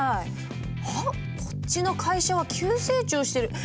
あっこっちの会社は急成長してる。